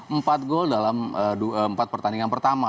empat gol dalam empat pertandingan pertama